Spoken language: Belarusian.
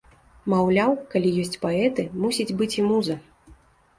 Маўляў, калі ёсць паэты, мусіць быць і муза.